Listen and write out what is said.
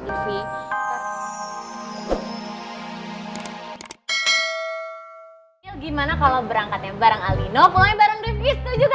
michelle gimana kalo berangkatnya bareng aldino pulangnya bareng rifki setuju gak